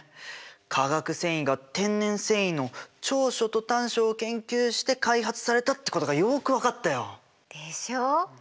化学繊維が天然繊維の長所と短所を研究して開発されたってことがよく分かったよ！でしょう？